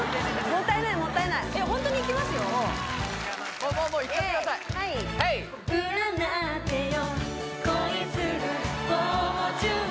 ・もったいないもったいないホントにいきますよおおもうもうもういっちゃってください占ってよ